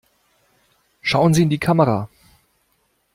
Schauen Sie in die Kamera!